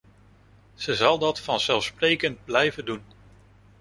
Ze zal dat vanzelfsprekend blijven doen.